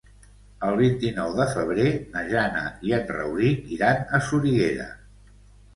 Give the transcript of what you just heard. El vint-i-nou de febrer na Jana i en Rauric iran a Soriguera.